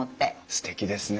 すてきですね。